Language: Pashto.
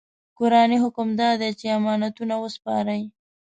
قرآني حکم دا دی چې امانتونه وسپارئ.